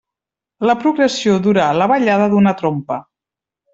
La progressió durà la ballada d'una trompa.